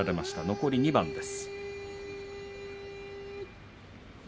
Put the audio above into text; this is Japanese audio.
残り２番です。